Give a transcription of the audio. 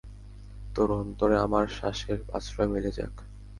তোর অন্তরে আমার শ্বাসের আশ্রয় মিলে যাক।